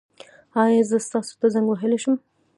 ایا زه تاسو ته زنګ وهلی شم؟